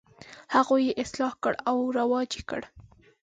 هغوی یې اصلاح کړه او رواج یې کړ.